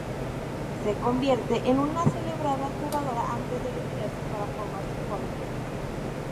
Se convierte en un celebrada jugadora antes de retirarse para formar su familia.